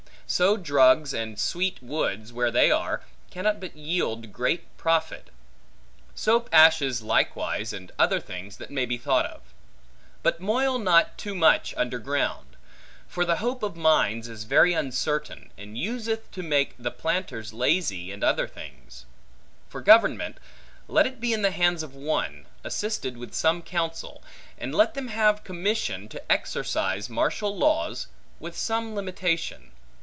So drugs and sweet woods, where they are, cannot but yield great profit. Soap ashes likewise, and other things that may be thought of. But moil not too much under ground; for the hope of mines is very uncertain, and useth to make the planters lazy, in other things. For government; let it be in the hands of one, assisted with some counsel; and let them have commission to exercise martial laws, with some limitation.